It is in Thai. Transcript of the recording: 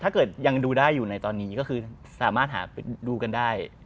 ถ้าเกิดยังดูได้อยู่ในตอนนี้ก็คือสามารถหาดูกันได้